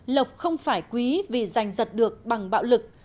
lộc không phải quý vì giành giật được bằng bạo lực